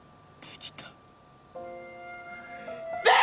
できた！